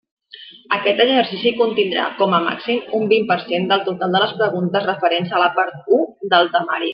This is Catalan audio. Aquest exercici contindrà, com a màxim, un vint per cent del total de les preguntes referents a la part u del temari.